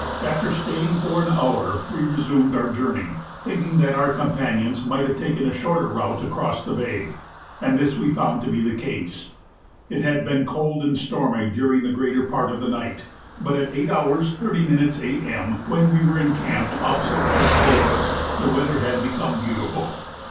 After staying for an hour we resumed our journey, thinking that our companions might have taken a shorter route across the bay; and this we found to be the case. It had been cold and stormy during the greater part of the night; but at 8 h. 30 m. A.M., when we encamped opposite Cape Beaufort, the weather had become beautiful.